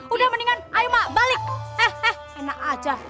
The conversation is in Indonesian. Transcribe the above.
udah mendingan ayo mak balik eh eh enak aja